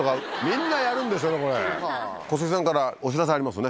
小関さんからお知らせありますよね。